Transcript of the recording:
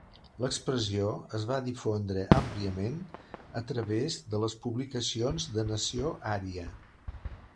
L'expressió es va difondre àmpliament a través de les publicacions de Nació Ària.